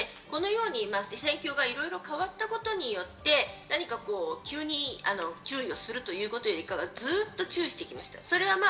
戦況がいろいろ変わったことによって、何かこう、急に注意をするということよりかはずっと注意をしてきました。